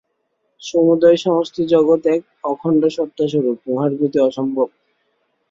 সমুদয় সমষ্টিজগৎ এক অখণ্ডসত্তাস্বরূপ, উহার গতি অসম্ভব।